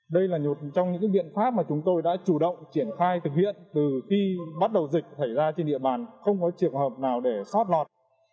đây là một trong những biện pháp mà chúng tôi đã chủ động triển khai thực hiện từ khi bắt đầu dịch xảy ra trên địa bàn không có trường hợp nào để sót lọt